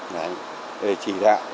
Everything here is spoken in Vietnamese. để chỉ đạo